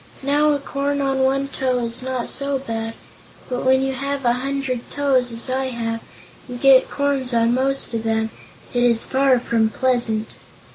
Now, a corn on one toe is not so bad, but when you have a hundred toes as I have and get corns on most of them, it is far from pleasant.